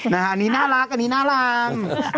นะฮะอันนี้น่ารักอันนี้น่ารัก